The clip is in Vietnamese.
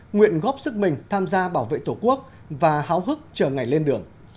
nguyện góp sức mình tham gia bảo vệ tổ quốc và háo hức chờ ngày lên đường